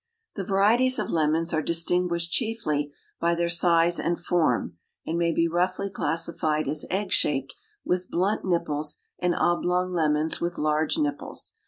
The varieties of Lemons are distinguished chiefly by their size and form, and may be roughly classified as egg shaped with blunt nipples and oblong lemons with large nipples.